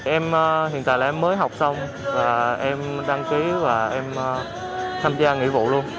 em hiện tại là em mới học xong và em đăng ký và em tham gia nghĩa vụ luôn